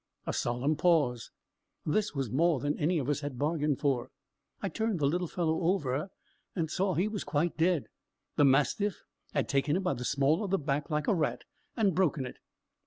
A solemn pause: this was more than any of us had bargained for. I turned the little fellow over, and saw he was quite dead; the mastiff had taken him by the small of the back like a rat, and broken it.